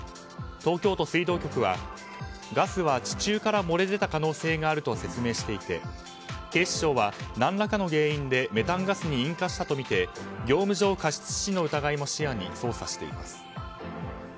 東京都水道局はガスは地中から漏れ出た可能性があると説明していて警視庁は何らかの原因でメタンガスに引火したとみて業務上過失致死の疑いも視野に捜査しています。